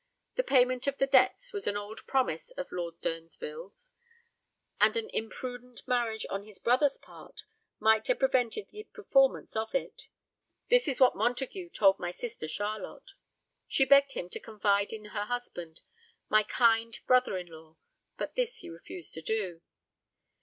The payment of the debts was an old promise of Lord Durnsville's, and an imprudent marriage on his brother's part might have prevented the performance of it. This is what Montague told my sister Charlotte. She begged him to confide in her husband, my kind brother in law, but this he refused to do.